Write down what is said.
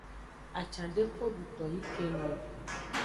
Acan de kpo duto yi keno o.